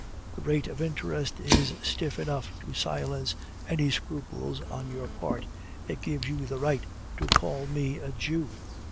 The rate of interest is stiff enough to silence any scruples on your part; it gives you the right to call me a Jew.